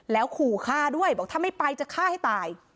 แล้วขู่ฆ่าด้วยบอกถ้าไม่ไปจะฆ่าให้ตาย